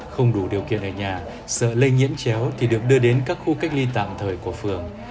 không đủ điều kiện ở nhà sợ lây nhiễm chéo thì được đưa đến các khu cách ly tạm thời của phường